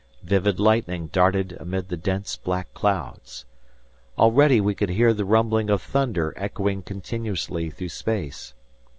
Vivid lightning darted amid the dense, black clouds. Already we could hear the rumbling of thunder echoing continuously through space.